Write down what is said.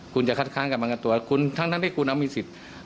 คุณจะคัดค้างกับประกันตัวคุณทั้งที่คุณเอามีสิทธิ์